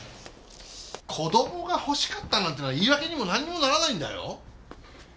子供が欲しかったなんてのは言い訳にもなんにもならないんだよ。